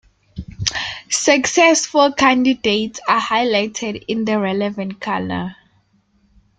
Successful candidates are highlighted in the relevant colour.